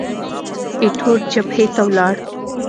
ایټور جبهې ته ولاړ.